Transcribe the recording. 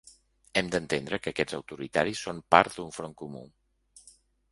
Hem d’entendre que aquests autoritaris són part d’un front comú.